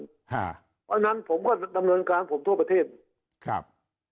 เพราะฉะนั้นผมก็ดำเนินการผมทั่วประเทศครับ